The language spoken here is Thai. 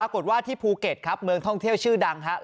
ปรากฏว่าที่ภูเก็ตครับเมืองท่องเที่ยวชื่อดังครับ